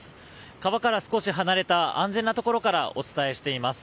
川から少し離れた安全なところからお伝えしています。